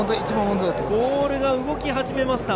ボールが動き始めました。